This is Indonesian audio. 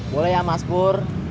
boleh ya mas pur